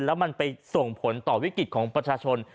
แล้วมันไปส่งผลต่อวิกฤตของประชาชน